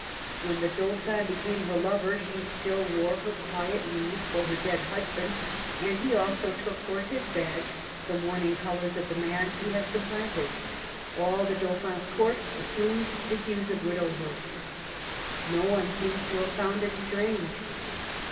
When the Dauphin became her lover, she still wore her quiet weeds for her dead husband, and ]^e also took for his badge the mourning colors of the man he had supplanted ; all the Dau phin's Court assumed the hues of widowhood. No one seems to have found it strange.